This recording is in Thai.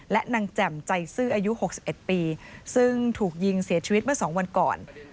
และนางแจ่มใจซื่ออายุ๖๑ปีซึ่งถูกยิงเสียชีวิตเมื่อ๒วันก่อน